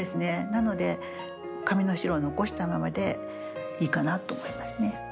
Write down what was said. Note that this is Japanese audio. なので紙の白を残したままでいいかなと思いますね。